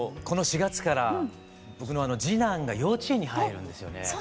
この４月から僕の次男が幼稚園に入るんですよね。